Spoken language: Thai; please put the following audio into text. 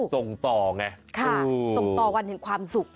ส่งต่อไงโอ้โหค่ะส่งต่อวันเห็นความสุข